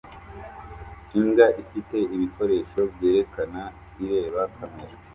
Imbwa ifite ibikoresho byerekana ireba kamera